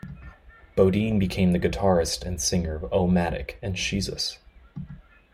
Bodine became the guitarist and singer of O-matic and Shesus.